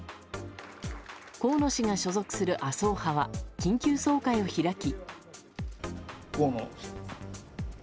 河野氏が所属する麻生派は緊急総会を開き。